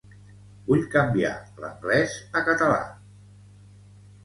Vull canviar l'anglès a català.